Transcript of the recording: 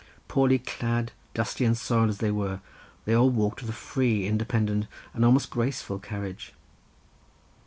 Poorly clad, dusty and soiled as they were, they all walked with a free, independent, and almost graceful carriage.